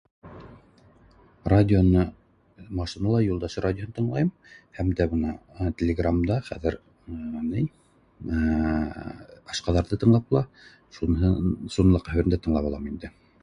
Радионы машинала Юлдаш радиоһын тыңлайым һәм дә бына телеграмда хәҙер ней әә Ашҡаҙарҙы тыңлап була, шуныһын шуны ла ҡайһы берҙә тыңлап алам инде